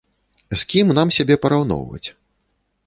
З кім нам сябе параўноўваць?